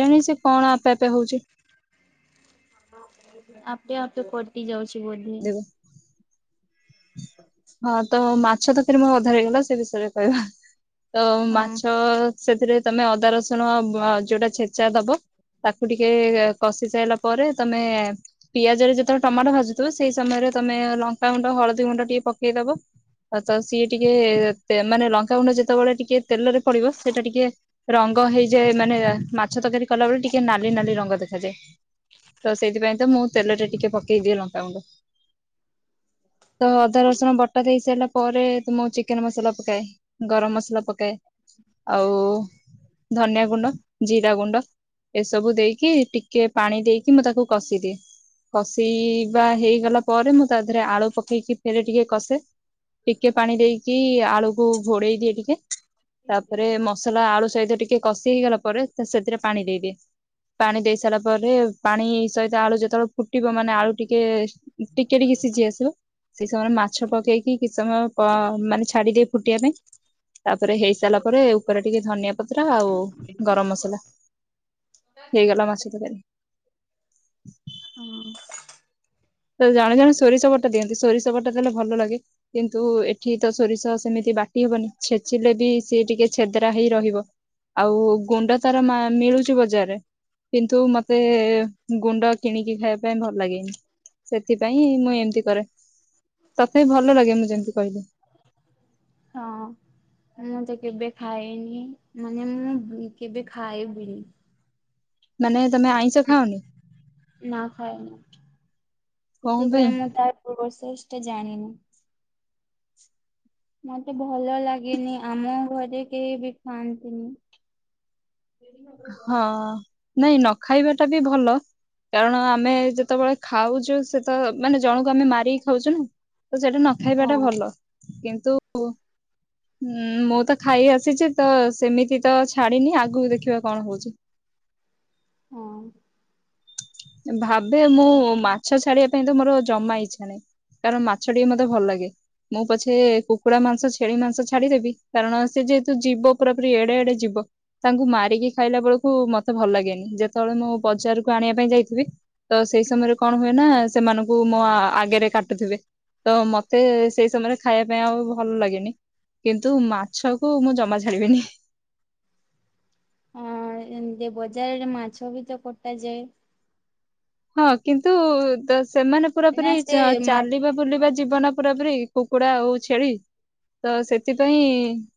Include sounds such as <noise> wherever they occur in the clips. କେଜାଣି ସେ କଣ ଆପେ ଆପେ ହଉଚି। ଆପେ ଆପେ କଟି ଯାଉଚି ବୋଧେ। ହଁ ତ ମାଛ ତରକାରି ମୋର ଅଧା ହେଇଗଲା ସେ ବିଷୟରେ କହିବା। ତ ହଁ ମାଛ ସେଥିରେ ତମେ ଅଦା ରସୁଣ ବ ଯୋଉଟା ଛେଚା ଦବ ତାକୁ ଟିକେ କଷି ସାଇଲା ପରେ ତମେ ପିଆଜରେ ଯେତେବେଳେ ଟମାଟୋ ଭାୁଜୁଥିବ ସେଇ ସମୟରେ ତମେ ଲଙ୍କାଗୁଣ୍ଡ ହଳଦୀ ଗୁଣ୍ଡ ଟିକେ ପକେଇଦବ। ତ ସିଏ ଟିକେ ତେ ମାନେ ଲଙ୍କାଗୁଣ୍ଡ ଯେତେବେଳେ ଟିକେ ତେଲରେ ପଡିବ ସେଇଟା ଟିକେ ରଙ୍ଗ ହେଇଯାଏ ମାନେ ମାଛ ତରକାରୀ କଲା ବେଳେ ଟିକେ ନାଲି ନାଲି ରଙ୍ଗ ଦେଖାଯାଏ। ତ ସେଇଥିପାଇଁ ତ ମୁଁ ତେଲରେ ଟିକେ ପକେଇ ଦିଏ ଲଙ୍କାଗୁଣ୍ଡ। ତ ଅଦା ରସୁଣ ବଟା ଦେଇସାରିଲା ପରେ ତ ମୁ ଚିକେନ ମସଲା ପକାଏ ଗରମ ମସଲା ପକାଏ। ଆଉ ଧନିଆ ଗୁଣ୍ଡ ଜିରା ଗୁଣ୍ଡ ଏସବୁ ଦେଇକି ଟିକେ ପାଣି ଦେଇକି ମୁଁ ତାକୁ କଷିଦିଏ। କଷେଇ ବା ହେଇଗଲା ପରେ ମୁଁ ତା ଦେହରେ ଆଳୁ ପ ପକେଇକି ଫେରେ ଟିକେ କସେ ଟିକେ ପାଣି ଦେଇକି ଆଳୁକୁ ଘୋଡେଇ ଦିଏ ଟିକେ। ତା ପରେ ମସଲା ଆଳୁ ସହିତ ଟିକେ କଷି ହେଇଗଲା ପରେ ସେଥିରେ ପାଣି ଦେଇଦିଏ। ପାଣି ଦେଇ ସାରିଲା ପରେ ପାଣି ସହିତ ଆଳୁ ଯେତେବେଳେ ଫୁଟିବ ମାନେ ଆଳୁ ଟିକେ ଟିକେ ଟିକେ ସିଝି ଆସିବ। ସେଇ ସମୟରେ ମାଛ ପକେଇକି କିଛି ସମୟ ପ ମାନେ ଛାଡି ଦିଏ ଫୁଟିବା ପାଇଁ। ତା ପରେ ହେଇ ସାଇଲା ପରେ ଉପରେ ଟିକେ ଧନିଆ ପତ୍ର ଆଉ ଗରମ ମସଲା। ହେଇଗଲା ମାଛ ତକାରି। ହଁ। ତ ଜଣେ ଜଣେ ସୋରିଷ ବଟାଦିଅନ୍ତି ସୋରିଷ ବଟା ଦେଲେ ଭଲ ଲାଗେ। କିନ୍ତୁ ଏଠି ତ ସୋରିଷ ସେମିତି ବାଟି ହବନି ଛେଚିଲେ ବି ସିଏ ଟିକେ ଛେଦ୍ରା ହେଇ ରହିବ। ଆଉ ଗୁଣ୍ଡ ତାର ମା ମିଳୁଛି ବଜାରରେ। କିନ୍ତୁ ମତେ ଗୁଣ୍ଡ କିଣିକି ଖାଇବା ପାଇଁ ଭଲ ଲାଗେନି। ସେଥିପାଇଁ ମୁଁ ଏମିତି କରେ ତଥାପି ଭଲ ଲାଗେ ମୁଁ ଯେମିତି କହିଲି। ହଁ। ମୁଁ ତେ କେବେ ଖାଏନି ମାନେ ମୁଁ କେବେ ଖାଇବିନି। ମାନେ ତମେ ଆଇଁଷ ଖାଅନି। ନା ଖାଏନା କଣ ପାଇଁ ସେଥିପାଇଁ ମୁଁ ତ ପ୍ରୋସେସ ଟା ଜାଣିନି। ମତେ ଭଲ ଲାଗେନି ଆମ ଘରେ କେହି ବି ଖାଆନ୍ତିନି। ହଁ ନାଇଁ ନ ଖାଇବା ଟା ବି ଭଲ। କାରଣ ଆମେ ଯେତେବେଳେ ଖାଉଛୁ ସେତ ମାନେ ଜଣକୁ ଆମେ ମାରିକି ଖାଉଛୁ ନା। ତ ସେଟା ନ ଖାଇବାଟା ହଁ। ଭଲ କିନ୍ତୁ ହୁଁ ମୁଁ ତ ଖାଇ ଆସିଛି ତ ସେମିତି ତ ଛାଡିିନି ଆଗକୁ ଦେଖିବା କଣ ହଉଛି। ହଁ। ଭାବେ ମୁଁ ମାଛ ଛାଡିବା ପାଇଁ ତ ମୋର ଜମା ଇଛା ନାହିଁ। କାରଣ ମାଛ ଟିକେ ମତେ ଭଲ ଲାଗେ। ମୁଁ ପଛେ କୁକୁଡ଼ା ମାଂସ ଛେଳି ମାଂସ ଛାଡିଦେବି କାରଣ ସେ ଯେହେତୁ ଯିବ ପୁରାପୁରୀ ଏଡେ ଏଡେ ଯିବ। ତାଙ୍କୁ ମାରିକି ଖାଇଲା ବେଳକୁ ମତେ ଭଲ ଲାଗେନି ଯେତେବେଳେ ମୁଁ ବଜାରକୁ ଆଣିବା ପାଇଁ ଯାଇଥି ବି ତ ସେଇ ସମୟରେ କଣ ହୁଏ ନା ସେମାନଙ୍କୁ ମୋ ଆଗରେ କାଟୁଥିବେ। ତ ମତେ ସେଇ ସମୟରେ ଖାଇବା ପାଇଁ ଆଉ ଭଲ ଲାଗେନି। କିନ୍ତୁ ମାଛକୁ ମୁଁ ଜମା ଛାଡିବିନି। ଅ ଏମତି ବଜାରରେ ମାଛ ବି ତ କଟାଯାଏ। ହଁ କିନ୍ତୁ ତ ସେମାନେ ନା ପୁରାପୁରି ସେ ଚା ମା ଚାଲିବା ବୁଲିବା ଜୀବନ ପୁରା ପୁରି କୁକୁଡ଼ା ଆଉ ଛେଳି। ତ ସେଥିପାଇଁ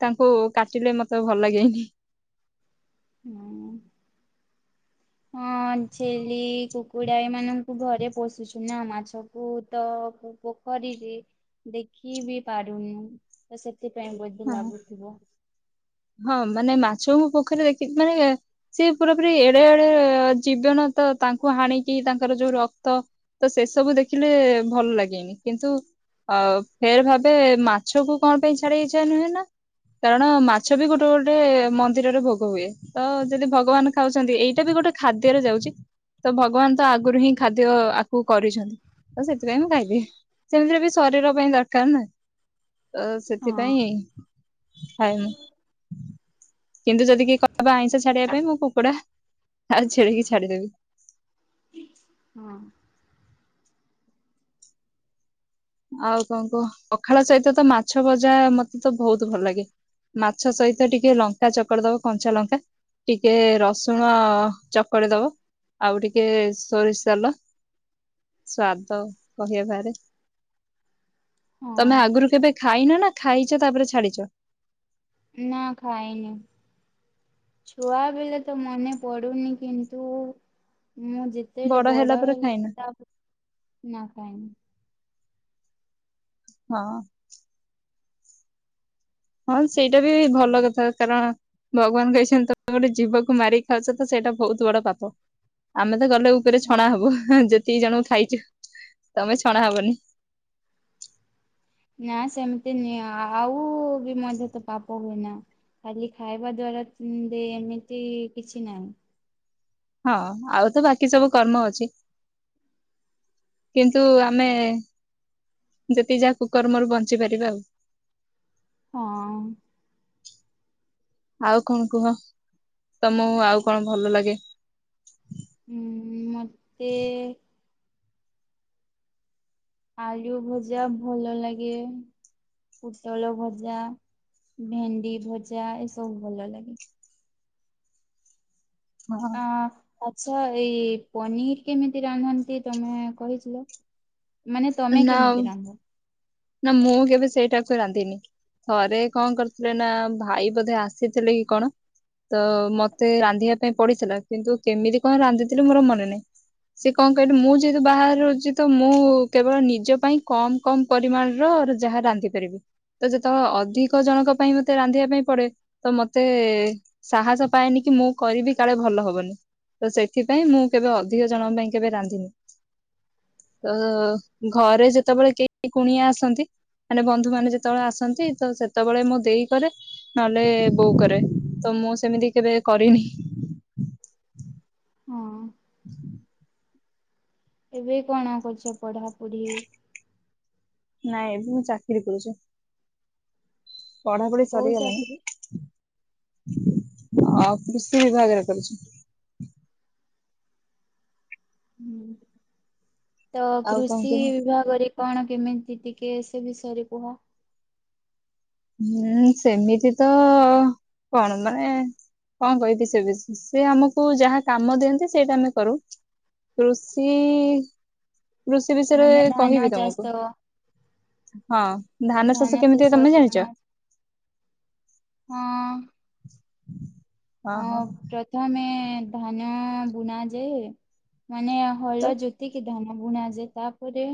ତାଙ୍କୁ କାଟିଲେ ମତେ ଭଲ ଲାଗେନି। ହଁ। <inaudible> ହଁ, ଛେଳି, କୁକୁଡା ଏମାନଙ୍କୁ ଘରେ ପୋଷୁଛୁ ନା, ମାଛକୁ ତ ପୋଖରୀରେ ଦେଖି ବି ପାରୁନୁ, ତ ସେଥିପାଇଁ ବୋଧେ ହଁ ଲାଗୁଥିବ। ହଁ, ମାନେ ମାଛ ମୁଁ ପୋଖରୀରେ ଦେଖିଚି ମାନେ ସେ ପୁରା ପୁରି ଏଡେ ଏଡେ ଜୀବନ ତ ତାଙ୍କୁ ହାଣିକି, ତାଙ୍କର ଯୋଉ ରକ୍ତ ତ ସେସବୁ ଦେଖିଲେ ଭଲ ଲାଗେଇନି। କିନ୍ତୁ ଅ ଫେର ଭାବେ ମାଛକୁ କଣ ପାଇଁ ଛାଡି ହେଇଯାଏ ନୁହେଁ ନା, କାରଣ ମା ଛ ବି ଗୋଟେ ଗୋଟେ ମନ୍ଦିରରେ ଭୋଗ ହୁଏ। ତ ଯଦି ଭଗବାନ ଖାଉଛନ୍ତି, ଏଇଟା ବି ଗୋଟେ ଖାଦ୍ୟରେ ଯାଉଛି। ତ ଭଗବାନ ତ ଆଗରୁ ହିଁ ଖାଦ୍ୟ ଆକୁ କରିଛନ୍ତି, ତ ସେଥିପାଇଁ ମୁଁ ଖାଇଦିଏ। ସେମିତିରେ ବି ଶରୀର ପାଇଁ ଦରକାର ନା, ତ ହଁ ସେଥିପାଇଁ ଖାଏ ମୁଁ। କିନ୍ତୁ ଯଦି କିଏ କହିବ ଆଇଁଷ ଛାଡିବା ପାଇଁ ମୁଁ କୁକୁଡ଼ା, ଆଉ ଛେଳି କି ଛାଡିଦେବି। ହଁ। ଆଉ କଣ କୁହ? ପଖାଳ ସହିତ ତ ମାଛ ଭଜା ମତେ ତ ବହୁତ ଭଲ ଲାଗେ। ମାଛ ସହିତ ଟିକେ ଲଙ୍କା ଚକଡି ଦବ, କଞ୍ଚା ଲଙ୍କା ଟିକେ ରସୁଣ ଅ ଚକଡି ଦବ ଆଉ ଟିକେ ସୋରିଷ ତେଲ, ସ୍ଵାଦ କହିବା ବାହାରେ। ତମେ ଆଗରୁ କେବେ ଖାଇନ ନା, ଖାଇଛ, ତାପରେ ଛାଡିଛ? ନାଁ, ଖାଇନି। ଛୁଆବେଲେ ତ ମନେ ପଡୁନି କିନ୍ତୁ ମୁଁ ଯେ ଯେତେହେଲେ ହେଲା ବଡ ପରେ ହେଲେ ଖାଇନ ତା ପରେ, ନା ଖାଇନି। ହଁ। ହଁ, ସେଇଟା ବି ଭଲ କଥା। କାରଣ ଭଗବାନ କହିଛନ୍ତି ତମେ ଗୋଟେ ଜୀବକୁ ମାରିକି ଖାଉଛ ତ, ସେଇଟା ବହୁତ ବଡ ପାପ। ଆମେ ତ ଗଲେ ଉ ଉପରେ ଛଣା ହଁ ହବୁ, ହାଁ ଯେତିକି ଜଣଙ୍କୁ ଖାଇଛୁ। ତମେ ଛଣା ହବନି। ନା ସେମିତି ନୁହେଁ, ଆଉ ବି ମଧ୍ୟ ତ ପାପ ହୁଏନା। ଖାଲି ଖାଇବା ଦ୍ଵାରା ଉମ୍ ଏମିତି କିଛି ନାହିଁ। ହଁ, ଆଉ ତ ବାକି ସବୁ କର୍ମ ଅଛି। କିନ୍ତୁ ଆମେ ଯେତିକି ଯାହା କୁକର୍ମରୁ ବଞ୍ଚିପାରିବା ଆଉ। ହଁ। ଆଉ କଣ କୁହ, ତମକୁ ଆଉ କଣ ଭଲ ଲାଗେ? ହୁଁ, ମତେ ଆଳୁ ଭଜା ଭଲ ଲାଗେ ପୋଟଳ ଭଜା, ଭେଣ୍ଡି ଭଜା ଏସବୁ ଭଲ ଲାଗେ। ହଁ ଅଁ ଆଚ୍ଛା, ଏଇ ପନିର କେମିତି ରାନ୍ଧନ୍ତି ତମେ କହିଥିଲ? ମାନେ ତମେ ନା ଆଉ କେମିତି ରାନ୍ଧ? ନା, ମୁଁ କେବେ ସେଇଟାକୁ ରାନ୍ଧିନି। ଥରେ କଣ କରିଥିଲେ ନା, ଭାଇ ବୋଧେ ଆସିଥିଲେ କି କଣ ତ ମତେ ରାନ୍ଧିବା ପାଇଁ ପଡିଥିଲା, କିନ୍ତୁ କେମିତି କଣ ରାନ୍ଧିଥିଲି ମୋର ମନେ ନାହିଁ। ସେ କଣ କହିଲୁ, ମୁଁ ଯେହେତୁ ବାହାରେ ରହୁଛି ତ ମୁଁ କେବଳ ନିଜ ପାଇଁ କମ୍ କମ୍ ପରିମାଣର ଯାହା ରାନ୍ଧିପାରିବି। ତ ଯେତେବେଳେ ଅଧିକ ଜଣଙ୍କ ପାଇଁ ମତେ ରାନ୍ଧିବା ପାଇଁ ପଡେ, ତ ମତେ ସାହସ ପାଏନି କି ମୁଁ କରିବି କାଳେ ଭଲ ହବନି। ତ ସେଥିପାଇଁ ମୁଁ କେବେ ଅଧିକ ଜଣଙ୍କ ପାଇଁ କେବେ ରାନ୍ଧିନି। ତ ଘରେ ଯେତେବେଳେ କେହି କୁଣିଆ ଆସନ୍ତି ମାନେ ବନ୍ଧୁମାନେ ଯେତେବେଳେ ଆସନ୍ତି, ତ ସେତେବେଳେ ମୋ ଦେଇ କରେ ନହେଲେ ବୋଉ କରେ, ତ ମୁଁ ସେମିତି କେବେ କରିନି। ହଁ। ଏବେ କଣ କରୁଛ ପଢାପୁଢି? ନାଇଁ ଏବେ ମୁଁ ଚାକିରି କରୁଛି। ପଢାପଢି କୋଉ ଚାକିରି? ସରିଗଲାଣି ଆଉ କୃଷି ବିଭାଗରେ କରୁଛି। ହୁଁ। ତ ଆଉ କଣ କୃଷି କୁହ ବିଭାଗରେ କଣ କେମିତି ଟିକେ ସେ ବିଷୟରେ କୁହ। ହୁଁ ସେମିତି ତ କଣ ମାନେ କଣ କହିବି ସେ ବି ସେ ଆମକୁ ଯାହା କାମ ଦିଅନ୍ତି ସେଇଟା ଆମେ କରୁ। କୃଷି କୃଷି ବିଷୟରେ ମାନେ ଧାନ କହିବି ତମକୁ। ଚାଷ ହଁ ଧାନ ଚାଷ କେମିତି ତମେ ଜାଣିଛ। ହଁ। ହଁ ପ୍ରଥମେ ଧାନ ବୁଣାଯାଏ। ମାନେ ତ ହଳ ଯେତିକି ଧାନ ବୁଣଯାଏ ତାପରେ।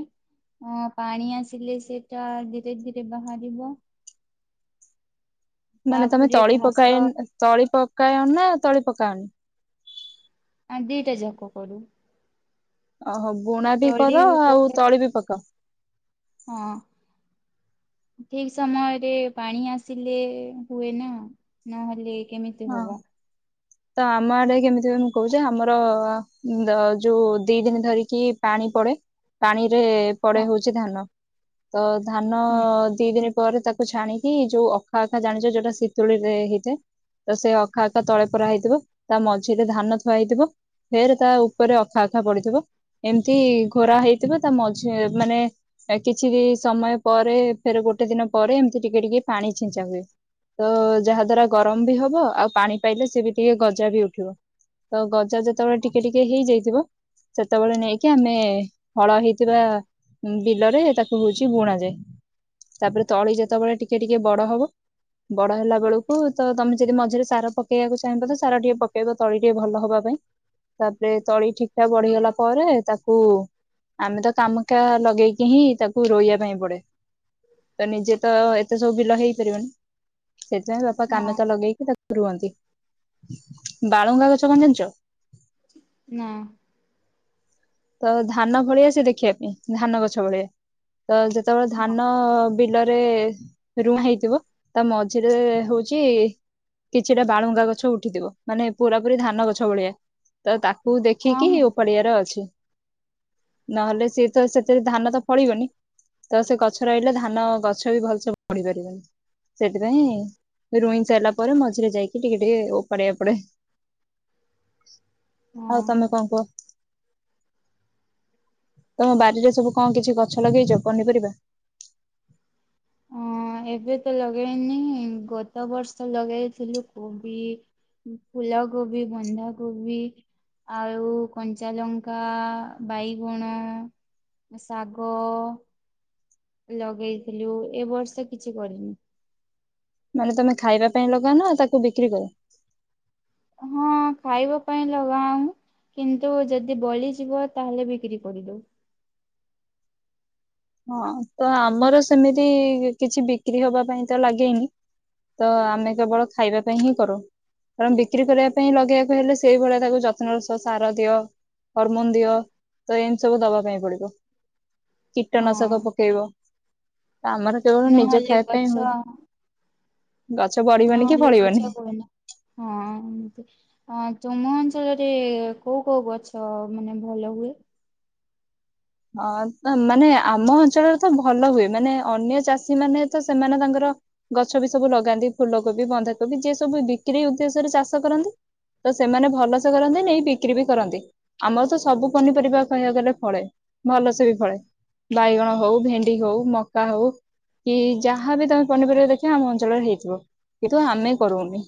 ହଁ ପାଣି ଆସିଲେ ସେଇଟା ଧୀରେ ଧୀରେ ବାହାରିବ। ମାନେ ତମେ ତାପରେ ତଳି ଘାସ ପକାଇ ତଳି ପକାୟନା ତଳି ପକାଅନି। ଆ ଦିଟା ଯାକ କରୁ। ଅ ହ ବୁଣା ବି ତଳି କର ଆଉ ପକା ତଳି ବି ପକାଅ। ହଁ। ଠିକ ସମୟରେ ପାଣି ଆସିଲେ ହୁଏ ନା ନହେଲେ କେମିତି ହଁ। ହବ? ତ ଆମ ଆଡେ କେମିତି କଣ କଉଛ ଆମର ଦ ଯୋଉ ଦି ଦିନ ଧରିକି ପାଣି ପଡେ ପାଣିରେ ପଡେ ହଁ ହଉଛି ଧାନ ତ ଧାନ ହୁଁ ଦି ଦିନ ପରେ ତାକୁ ଛାଣିକି ଯୋଉ ଅଖା ଆଖା ଜାଣିଛ ଯୋଉଟା ଶୀତୁଳୀରେ ହେଇଥାଏ। ତ ସେ ଅଖା ଅଖା ତଳେ ପୁରା ହେଇଥିବ ତା ମଝିରେ ଧାନ ଥୁଆ ହେଇଥିବ। ଫେର ତା ଉପରେ ଅଖା ଅଖା ପଡିଥିବ ଏମତି ଘୋରା ହେଇଥିବ ତା ମଝି ମାନେ କିଛି ସମୟ ପରେ ଫେର ଗୋଟେ ଦିନ ପରେ ଏମିତି ଟିକେ ଟିକେ ପାଣି ଛିଞ୍ଚା ହୁଏ। ତ ଯାହା ଦ୍ଵାରା ଗରମ ବି ହବ। ଥୁଅ ଆଉ ପାଣି ପାଇଲେ ସେ ବି ଟିକେ ଗଜା ବି ଉଠିବ ତ ଗଜା ଯେତେ ବେଳେ ଟିକେ ଟିକେ ହେଇ ଯାଇଥିବ ସେତେ ବେଳେ ନେଇକି ଆମେ ହଳ ହେଇଥିବା ବିଲରେ ତାକୁ ହଉଛି ବୁଣା ଯାଏ। ତାପରେ ତଳି ଯେତେ ବେଳେ ଟିକେ ଟିକେ ବଡ ହବ ବଡ ହେଲା ବେଳକୁ ତ ତମେ ଯଦି ମଝିରେ ସାର ପକେଇବାକୁ ଚାହିଁବ ତ ସାର ଟିକେ ପକେଇବ ତଳି ଟିକେ ଭଲ ହବା ପାଇଁ ତାପରେ ତଳି ଠିକ୍ ଟା ବଢିଗଲା ପରେ ତା କୁ ଆମେ ତ କାମଖା ଲଗେଇକି ହିଁ ତାକୁ ରୋଇବା ପାଇଁ ପଡେ। ତ ନିଜେ ତ ଏତେ ସବୁ ବିଲ ହେଇ ପାରିବନି। ସେଥିପାଇଁ ବାପା ହଁ କାନଚା ଲଗେଇକି ତାକୁ ରୁଅନ୍ତି ବାଳୁଙ୍ଗା ଗଛ କଣ ଜାଣିଛ? ନା। ତ ଧାନ ଭଳିଆ ସେ ଦେଖିବା ପାଇଁ ଧାନ ଗଛ ଭଳିଆ। ତ ଯେତେ ବେଳେ ହଁ ଧାନ ବିଲରେ ରୁଣା ହେଇଥିବ ତା ମଝିରେ ହଉଛି କିଛିଟା ବାଳୁଙ୍ଗା ଗଛ ଉଠିଥିବ ମାନେ ପୁରା ପୁରୀ ଧାନ ଗଛ ଭଳିଆ। ତ ତାକୁ ହଁ ଦେଖିକି ହି ଉପାଡିଆରେ ଅଛି। ନହେଲେ ସିଏ ତ ସେଥିରେ ଧାନ ତ ଫଳିବନି। ତ ସେ ଗଛ ରହିଲେ ଧାନ ଗଛ ବି ଭଲସେ ବଢି ପାରିବନି। ତ ସେଥିପାଇଁ ରୁଣି ସାରିଲା ପରେ ମଝିରେ ଯାଇକି ଟିକେ ଟିକେ ଓପାଡିବା ପଡେ। ହଁ ଆଉ ହଁ। ତମେ କଣ କୁହ। ତମ ବାଡି ରେ ସବୁ କଣ କିଛି ଗଛ ଲଗେଇଛ ପନିପରିବା? ହଁ ଏବେ ତ ଲଗେଇନି ଗତ ବର୍ଷ ଲଗେଇଥିଲୁ କୋବି ଫୁଲ କୋବି ବନ୍ଧାକୋବି। ଆଉ କଞ୍ଚାଲଙ୍କା ବାଇଗଣ। ଶାଗ। ଲଗେଇଥିଲୁ ଏ ବର୍ଷ କିଛି କରିନି। ମାନେ ତମେ ଖାଇବା ପାଇଁ ଲଗାଅନା ତାକୁ ବିକ୍ରି କର। ହଁ ଖାଇବା ପାଇଁ ଲଗାଉଁ। କିନ୍ତୁ ଯଦି ବଳିଯିବ ତାହେଲେ ବିକ୍ରି କରିଦଉ। ହଁ ତ ଆମର ସେମିତି କିଛି ବିକ୍ରି ହବା ପାଇଁ ତ ଲାଗେନି। ତ ଆମେ କେବଳ ଖାଇବା ପାଇଁ ହିଁ କରୁ। କାରଣ ବିକ୍ରି କରିବା ପାଇଁ ଲଗେଇବାକୁ ହେଲେ ସେଇଭଳିଆ ତାକୁ ଯତ୍ନର ସ ସାର ଦିଅ ହରମୋନ ଦିଅ ତ ଏମିତି ସବୁ ଦବା ପାଇଁ ପଡ଼ିବ। କୀଟନାଶକ ହଁ ପକେଇବ ଆମର କେବଳ ନିଜ ନହେଲେ ଖାଇବା ପାଇଁ ଗଛ ହୁଏ। ଗଛ ବ ନହେଲେ ଗଛ କୁହେନି ହଁ ଏମତି। ଅ ତୁମ ଅଞ୍ଚଳରେ କୋଉ କୋଉ ଗଛ ମାନେ ଭଲ ହୁଏ? ଅଁ ତ ମାନେ ଆମ ଅଞ୍ଚଳରେ ତ ଭଲ ହୁଏ ମାନେ ଅନ୍ୟ ଚାଷୀ ମାନେ ତ ସେମାନେ ତାଙ୍କର ଗଛ ବି ସବୁ ଲଗାନ୍ତି ଫୁଲ କୋବି, ବନ୍ଧାକୋବି ଯିଏ ସବୁ ବିକ୍ରି ଉଦ୍ଦେଶ୍ୟରେ ଚାଷ କରନ୍ତି। ତ ସେମାନେ ଭଲସେ କରନ୍ତି ନେଇ ବିକ୍ରି ବି କରନ୍ତି। ଆମର ତ ସବୁ ପନିପରିବା କହିବାକୁ ଗଲେ ଫଳେ। ଭଲ ସେ ବି ଫଳେ ବାଇଗଣ ହଉ ଭେଣ୍ଡି ହଉ ମକା ହଉ। କି ଯାହାବି ତମେ ପନିପରିବା ଦେଖିବ ଆମ ଅଞ୍ଚଳରେ ହେଇଥିବ। କିନ୍ତୁ ଆମେ କରୁଉନି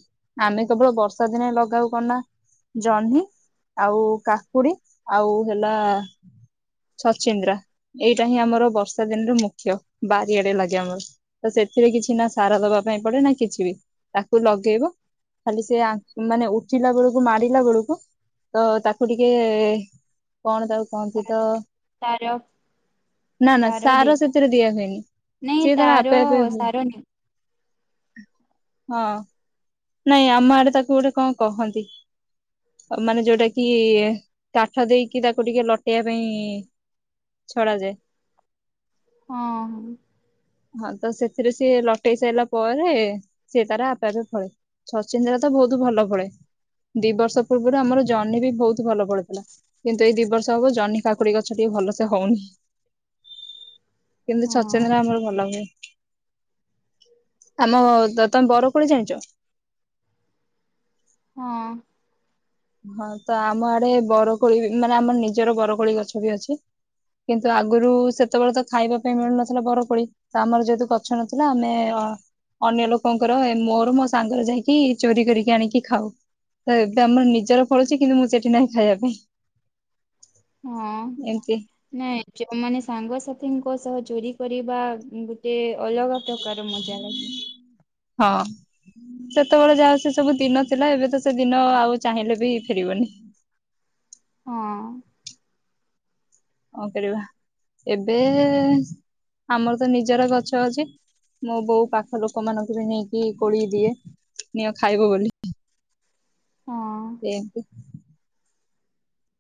ଆମେ କେବଳ ବର୍ଷା ଦିନେ ଲଗାଉ କନା ଜହ୍ନି ଆଉ କାକୁଡ଼ି ଆଉ ହେଲା ଛଚିନ୍ଦ୍ରା ଏଇଟା ହିଁ ଆମର ବର୍ଷା ଦିନରେ ମୁଖ୍ୟ ବାରିଆଡ଼େ ଲାଗେ ଆମର। ତ ସେଥିରେ କିଛି ନା ସାର ଦବା ପାଇଁ ପଡ଼େ ନା କିଛି ବି ତାକୁ ଲଗେଇବ ଖାଲି ସେ ଆ ମାନେ ଉଚିଲା ବେଳକୁ ମାଡ଼ିଲା ବେଳକୁ ତ ତାକୁ ଟିକେ କଣ ତାକୁ କହନ୍ତି ତ ତାର। ନା ନା ତାର ସାର ଦେ ସେଥିରେ ଦିଆ ହୁଏନି ସିଏ ନାଇଁ ଆପେ ତାର ଆପେ ହୁଏ। ସାର ନିଏ। ହଁ। ନାଇଁ ଆମ ଆଡ଼େ ତାକୁ ଗୋଟେ କଣ କହନ୍ତି। ମାନେ ଯୋଉଟା କି ଟାଠ ଦେଇକି ତାକୁ ଟିକେ ଲଟେଇବା ପାଇଁ। ଛଡ଼ାଯାଏ। ହଁ। ହଁ ତ ସେଥିରେ ସିଏ ଲଟେଇ ସାରିଲା ପରେ ସିଏ ତାର ଆପେ ଆପେ ଫଳେ। ଛଚିନ୍ଦ୍ରା ତ ବହୁତୁ ଭଲ ଫଳେ ଦି ବର୍ଷ ପୂର୍ବରୁ ଆମର ଜହ୍ନି ବି ବହୁତୁ ଭଲ ଫଳିଥିଲା। କିନ୍ତୁ ଏଇ ଦି ବର୍ଷ ହବ ଜହ୍ନି କାକୁଡ଼ି ଗଛ ଟିକେ ଭଲସେ ହଉନି। କିନ୍ତୁ ହଁ ଛଚିନ୍ଦ୍ର ଆମର ଭଲ ହୁଏ। ଆମ ତ ତମେ ବରକୋଳି ଜାଣିଛ? ହଁ। ହଁ ତ ଆମ ଆଡ଼େ ବରକୋଳି ହୁଏ ମାନେ ଆମର ନିଜର ବରକୋଳି ଗଛ ବି ଅଛି। କିନ୍ତୁ ଆଗୁରୁ ସେତେବେଳେ ତ ଖାଇବା ପାଇଁ ମିଳୁନଥିଲା ବରକୋଳି। ତ ଆମର ଯେହେତୁ ଗଛ ନଥିଲା ଆମେ ଅ ଅନ୍ୟ ଲୋକଙ୍କର ଏ ମୋର ମୋ ସାଙ୍ଗର ଯାଇକି ଚୋରି କରିକି ଆଣିକି ଖାଉ। ତ ଏବେ ଆମର ନିଜର ଫଳୁଛି କିନ୍ତୁ ମୁଁ ସେଠି ନାହିଁ ଖାଇବା ପାଇଁ। ହଁ। ଏମିତି ନାଇଁ ଯୋ ମାନେ ସାଙ୍ଗସାଥିଙ୍କ ସହ ଚୋରି କରିବା ଗୋଟେ ଅଲଗା ପ୍ରକାର ମଜା ଲାଗେ। ହଁ। ସେତେବେଳେ ଯାହାହ ସେ ସବୁ ଦିନ ଥିଲା ଏବେ ତ ସେ ଦିନ ଆଉ ଚାହିଁଲେ ବି ଫେରିବନି। ହଁ। କଣ କରିବା ଏବେ ଆମର ତ ନିଜର ଗଛ ଅଛି। ମୋ ବୋଉ ପାଖ ଲୋକମାନଙ୍କୁ ବି ନେଇକି କୋଳି ଦିଏ। ନିଅ ଖାଇବ ବୋଲି ହଁ ଏୟାକୁ।